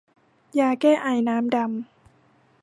ยาแก้ไอน้ำดำ